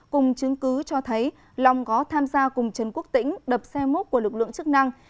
cùng chứng cứ cho thấy long có tham gia cùng trần quốc tĩnh đập xe múc của lực lượng chức năng